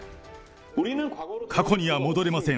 過去には戻れません。